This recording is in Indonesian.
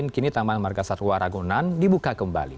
kini taman margasat uwa ragunan dibuka kembali